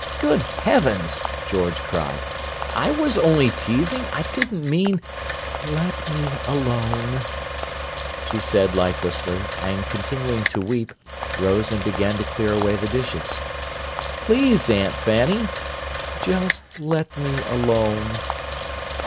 "Good heavens!" George cried. "I was only teasing. I didn't mean—" "Let me alone," she said lifelessly; and, continuing to weep, rose and began to clear away the dishes. "Please, Aunt Fanny—" "Just let me alone."